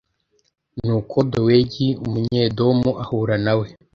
Nuko Dowegi Umunyedomu ahura nawe